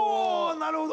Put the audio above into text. なるほど！